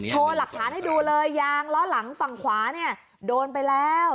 หลักฐานให้ดูเลยยางล้อหลังฝั่งขวาเนี่ยโดนไปแล้ว